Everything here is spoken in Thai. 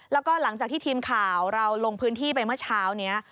แล้วก็หลังจากที่ทีมข่าวเราลงพื้นที่ไปเมื่อเช้านี้